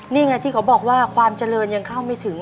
นี่ไงที่เขาบอกว่าความเจริญยังเข้าไม่ถึง